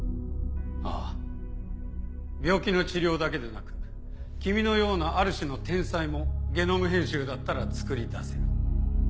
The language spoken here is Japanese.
ああ病気の治療だけでなく君のようなある種の天才もゲノム編集だったらつくり出せる。